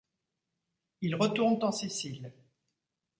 Ils retournent en Sicile.